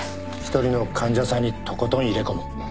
１人の患者さんにとことん入れ込む